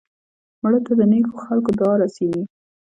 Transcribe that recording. مړه ته د نیکو خلکو دعا رسېږي